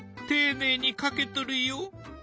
丁寧に描けとるよ。